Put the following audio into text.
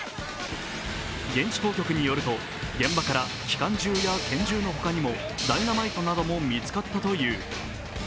現地当局によると現場から機関銃や拳銃の他にも、ダイナマイトなども見つかったという。